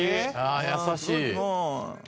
優しい。